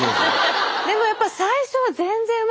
でもやっぱ最初は全然うまく。